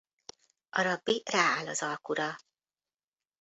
A rabbi rááll az alkura.